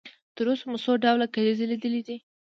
تر اوسه مو څو ډوله کلیزې لیدلې دي؟